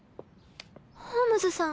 ホームズさん